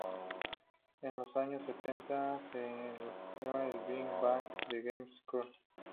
En los años sesenta se enroló en la Big Band de Gene Krupa.